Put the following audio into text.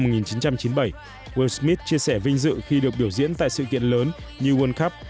world smith chia sẻ vinh dự khi được biểu diễn tại sự kiện lớn như world cup